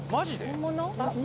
本物？